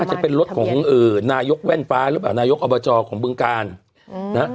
จะเป็นรถของนายกแว่นฟ้าหรือเปล่านายกอบจของบึงกาลนะฮะ